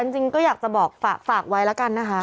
จริงก็อยากจะบอกฝากไว้แล้วกันนะคะ